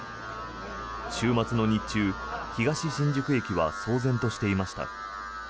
週末の日中東新宿駅は騒然としていました。